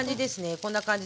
こんな感じでね